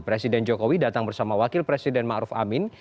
presiden jokowi datang bersama wakil presiden ma'ruf amin